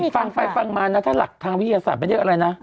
ฟังไปฟังมานะถ้าหลักทางวิทยาศาสตร์ไม่ได้อะไรนะ